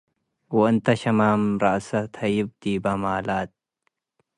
ወእንተ ሸማም ረአሰ - ተሀይብ ዲበ ማላት፣